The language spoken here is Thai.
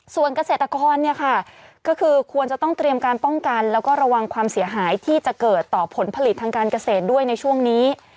ส่วนเกษตรกรเนี่ยค่ะก็คือควรจะต้องเตรียมการป้องกันแล้วก็ระวังความเสียหายที่จะเกิดต่อผลผลิตทางการเกษตรด้วยในช่วงนี้